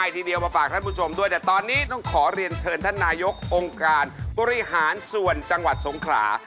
ที่มีทฤหารส่วนจังหวัดทรงข่า